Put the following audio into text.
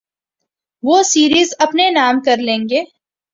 وہ سیریز اپنے نام کر لیں گے۔